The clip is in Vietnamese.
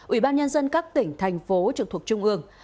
ủy ban nhân dân các tỉnh thành phố trực thuộc trung ương